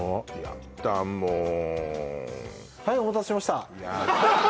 もうはいお待たせしましたやだ